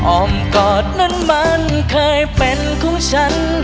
อมกอดนั้นมันเคยเป็นของฉัน